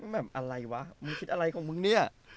แหม่มอะไรวะมึงคิดอะไรของมึงเนี่ย